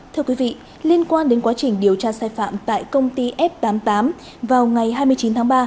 thưa quý vị liên quan đến quá trình điều tra sai phạm tại công ty f tám mươi tám vào ngày hai mươi chín tháng ba